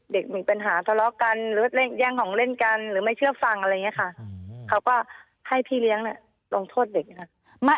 เด็กมีปัญหาทะเลาะกันหรือแย่งของเล่นกันหรือไม่เชื่อฟังอะไรอย่างนี้ค่ะเขาก็ให้พี่เลี้ยงลงโทษเด็กนะคะ